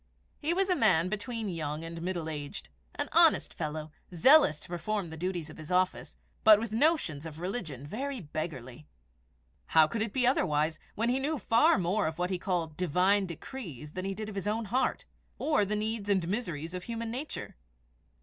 He was a man between young and middle aged, an honest fellow, zealous to perform the duties of his office, but with notions of religion very beggarly. How could it be otherwise when he knew far more of what he called the Divine decrees than he did of his own heart, or the needs and miseries of human nature?